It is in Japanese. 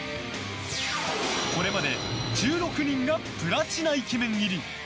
これまで、１６人がプラチナイケメン入り。